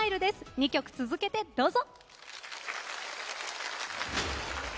２曲続けてどうぞ。